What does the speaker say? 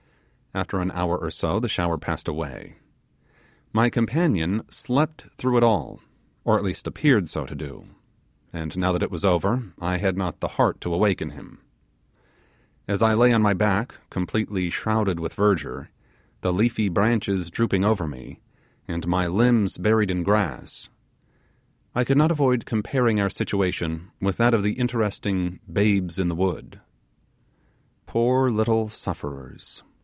After an hour or so the shower passed away. My companion slept through it all, or at least appeared so to do; and now that it was over I had not the heart to awaken him. As I lay on my back completely shrouded with verdure, the leafy branches drooping over me, my limbs buried in grass, I could not avoid comparing our situation with that of the interesting babes in the wood. Poor little sufferers!